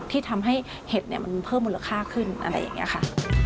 ที่ทำให้เห็ดมันเพิ่มมูลค่าขึ้นอะไรอย่างนี้ค่ะ